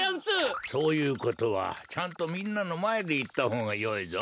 そういうことはちゃんとみんなのまえでいったほうがよいぞ。